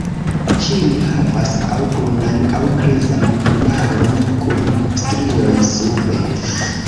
Ĉiuj havas aŭ brunan aŭ grizan plumaron kun strioj sube.